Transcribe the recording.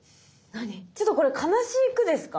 ちょっとこれ悲しい句ですか？